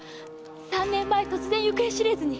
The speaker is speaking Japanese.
三年前突然行方知れずに！